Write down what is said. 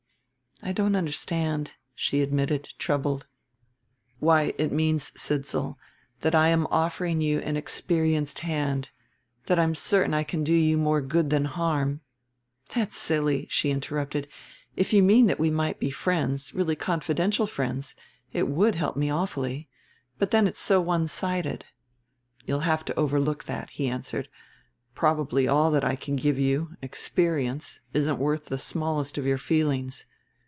"I don't understand," she admitted, troubled. "Why, it means, Sidsall, that I am offering you an experienced hand, that I'm certain I can do you more good than harm " "That's silly," she interrupted. "If you mean that we might be friends, really confidential friends, it would help me awfully. But then it's so one sided." "You'll have to overlook that," he answered; "probably all that I can give you, experience, isn't worth the smallest of your feelings.